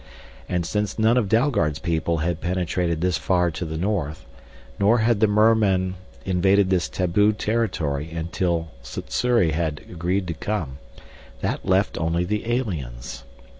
And since none of Dalgard's people had penetrated this far to the north, nor had the mermen invaded this taboo territory until Sssuri had agreed to come, that left only the aliens.